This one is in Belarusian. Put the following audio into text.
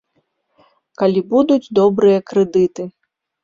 Калі будуць добрыя крэдыты.